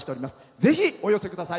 ぜひお寄せください。